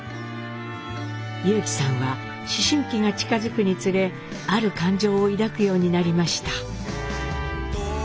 裕基さんは思春期が近づくにつれある感情を抱くようになりました。